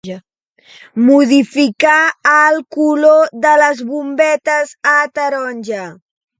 Modificar el color de les bombetes a taronja.